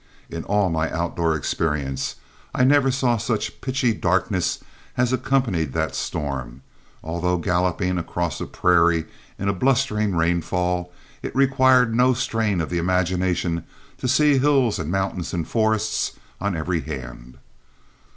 In all my outdoor experience I never saw such pitchy darkness as accompanied that storm; although galloping across a prairie in a blustering rainfall, it required no strain of the imagination to see hills and mountains and forests on every hand.